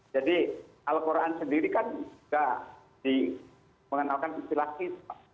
jadi al quran sendiri kan sudah mengenalkan istilah hisap